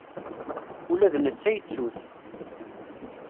Ula d netta yettu-t.